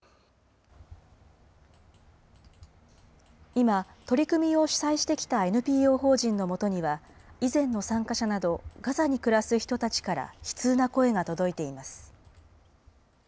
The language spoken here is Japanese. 今、取り組みを主催してきたＮＰＯ法人のもとには、以前の参加者など、ガザに暮らす人たちから悲痛な声が届いています。